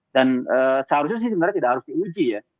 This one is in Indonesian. dan seharusnya sih sebenarnya tidak harus diuji ya